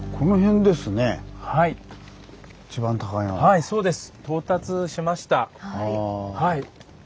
はいそうです。